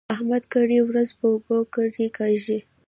احمد کرۍ ورځ پر اوبو کرښې کاږي.